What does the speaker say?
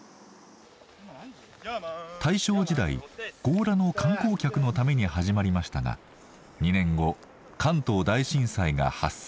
大正時代強羅の観光客のために始まりましたが２年後関東大震災が発生。